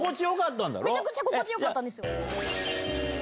めちゃくちゃ心地よかったん